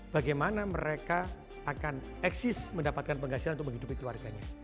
bagaimana mereka akan eksis mendapatkan penghasilan untuk menghidupi keluarganya